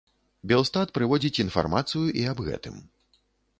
Белстат прыводзіць інфармацыю і аб гэтым.